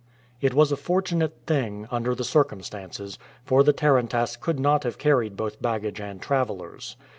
It was a fortunate thing, under the circumstances, for the tarantass could not have carried both baggage and travelers.